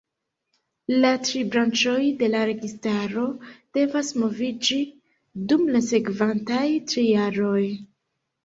La tri branĉoj de la registaro devas moviĝi dum la sekvantaj tri jaroj.